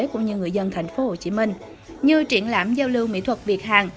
cũng như người dân thành phố hồ chí minh như triển lãm giao lưu mỹ thuật việt hàn